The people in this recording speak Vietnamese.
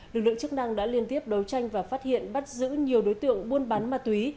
lực lượng chức năng đã liên tiếp đấu tranh và phát hiện bắt giữ nhiều đối tượng buôn bán ma túy